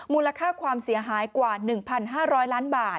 มูลค่าความเสียหายกว่า๑๕๐๐ล้านบาท